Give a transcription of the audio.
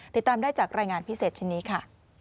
ติดตามได้จากรายงานพิเศษชิ้นนี้ค่ะ